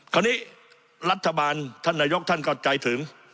คราวนี้รัฐบาลท่านนายกท่านก็ใจถึง